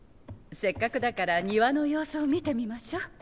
せっかくだから庭の様子を見てみましょう。